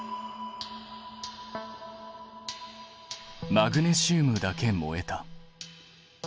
マグネシウムだけ燃えた。